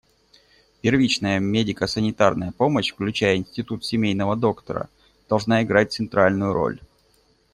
Первичная медико-санитарная помощь, включая институт семейного доктора, должна играть центральную роль.